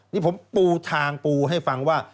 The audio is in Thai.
นี่ผมปูทางปูให้ฟังว่า